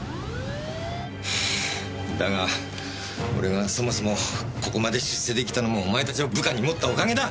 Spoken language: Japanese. はぁだが俺がそもそもここまで出世できたのもお前たちを部下に持ったおかげだ！